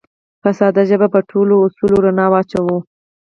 په ساده ژبه به په ټولو اصولو رڼا واچوو